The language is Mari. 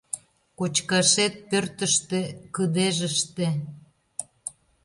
Кочкашет — пӧртыштӧ, кыдежыште.